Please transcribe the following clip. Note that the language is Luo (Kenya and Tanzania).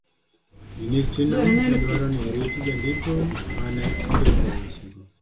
Ministrino ne dwaro ni orit jandiko ma ne ondiko wechego.